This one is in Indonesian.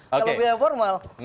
kalau piala formal